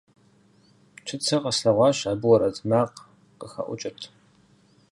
Чыцэ къэслъэгъуащ, абы уэрэд макъ къыхэӀукӀырт.